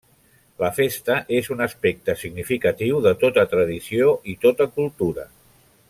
La festa és un aspecte significatiu de tota tradició i tota cultura.